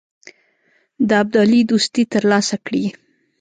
د ابدالي دوستي تر لاسه کړي.